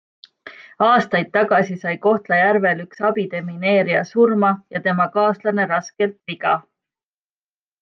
Aastaid tagasi sai Kohtla-Järvel üks abidemineerija surma ja tema kaaslane raskelt viga.